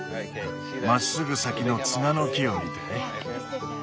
まっすぐ先のツガの木を見て。